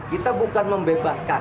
kita bukan membebaskan